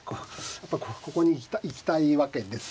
やっぱここに行きたいわけですよね。